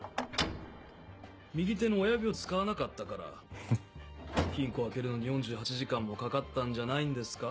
右手の親指を使わなかったから金庫を開けるのに４８時間もかかったんじゃないんですか？